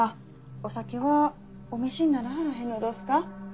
お酒はお召しにならはらへんのどすか？